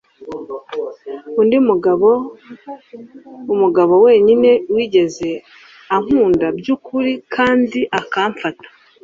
undi mugabo, umugabo wenyine wigeze ankunda byukuri kandi akamfata